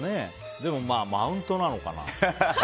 でもマウントなのかな。